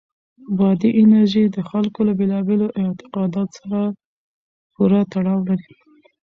بادي انرژي د خلکو له بېلابېلو اعتقاداتو سره پوره تړاو لري.